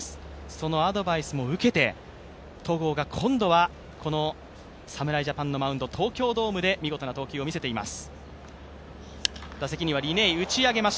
そのアドバイスも受けて、戸郷は今度は侍ジャパンのマウンド、東京ドームで見事な投球を見せています。